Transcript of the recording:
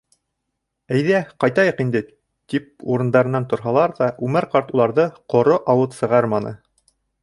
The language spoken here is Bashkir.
Әйҙә, ҡайтайыҡ инде, — тип урындарынан торһалар ҙа, Үмәр ҡарт уларҙы ҡоро ауыҙ сығарманы.